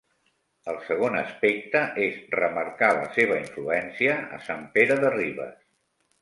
El segon aspecte és remarcar la seva influència a Sant Pere de Ribes.